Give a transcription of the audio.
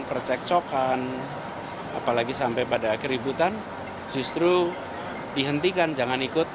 percekcokan apalagi sampai pada keributan justru dihentikan jangan ikut